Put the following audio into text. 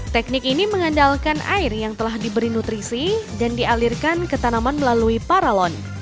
teknik ini mengandalkan air yang telah diberi nutrisi dan dialirkan ke tanaman melalui paralon